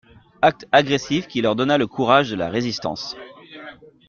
Acte agressif qui leur donna le courage de la résistance.